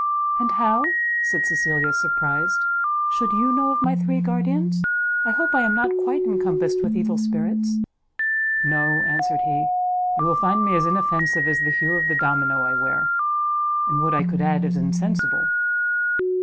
"And how," said Cecilia, surprised, "should you know of my three guardians? I hope I am not quite encompassed with evil spirits!" "No," answered he; "you will find me as inoffensive as the hue of the domino I wear; and would I could add as insensible!"